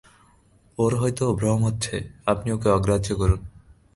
ওঁর হয়তো ভ্রম হচ্ছে আপনি ওঁকে অগ্রাহ্য করেন।